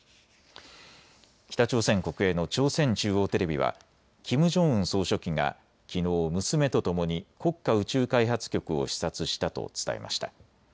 北朝鮮国営の朝鮮中央テレビはキム・ジョンウン総書記がきのう娘とともに国家宇宙開発局を視察したと伝えました。